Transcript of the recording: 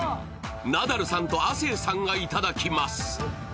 ナダルさんと亜生さんがいただきます。